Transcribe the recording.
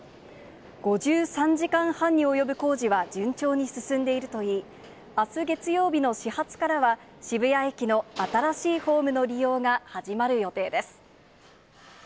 ５３時間半に及ぶ工事は順調に進んでいるといい、あす月曜日の始発からは、渋谷駅の新しいホームの利用が始まる予定です。